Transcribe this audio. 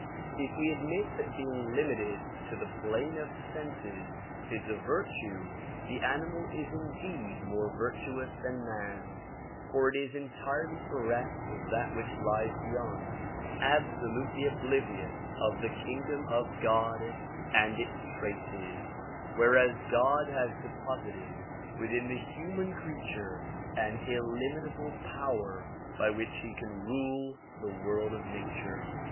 If we admit that being limited to the plane of the senses is a virtue the animal is indeed more virtuous than man, for it is entirely bereft of that which lies beyond, ab solutely oblivious of the kingdom of God and its traces whereas God has deposited within the human creature an illimitable power by which he can rule the world of nature.